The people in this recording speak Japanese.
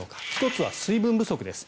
１つは水分不足です。